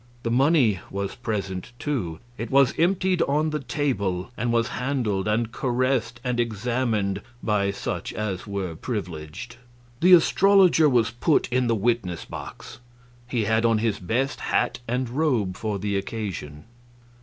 The money was present, too. It was emptied on the table, and was handled and caressed and examined by such as were privileged. The astrologer was put in the witness box. He had on his best hat and robe for the occasion.